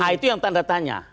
nah itu yang tanda tanya